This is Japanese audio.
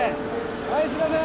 はいすみません。